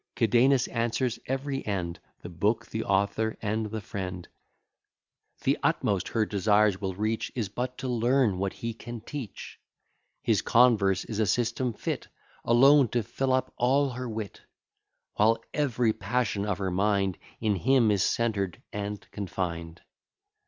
Cadenus answers every end, The book, the author, and the friend; The utmost her desires will reach, Is but to learn what he can teach: His converse is a system fit Alone to fill up all her wit; While every passion of her mind In him is centred and confined.